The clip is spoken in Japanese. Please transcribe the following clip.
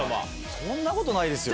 そんなことないですよ！